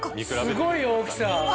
すごい大きさ！